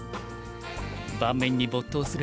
盤面に没頭する